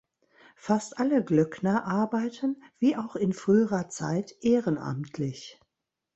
Fast alle Glöckner arbeiten, wie auch in früherer Zeit, ehrenamtlich.